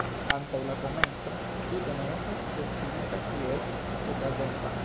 Antaŭ la komenco tute ne estas decidita kio estas okazonta.